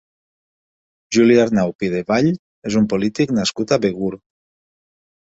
Juli Arnau Pidevall és un polític nascut a Begur.